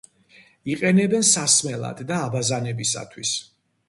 იყენებენ სასმელად და აბაზანებისათვის.